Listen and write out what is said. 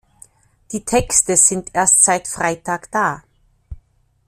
Die Texte sind erst seit Freitag da.